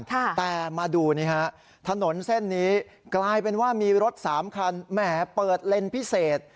แต่มาดูนี่ฮะถนนเส้นนี้กลายเป็นว่ามีรถสามคันแหมเปิดเลนส์พิเศษ